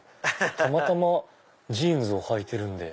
たまたまジーンズをはいてるんで。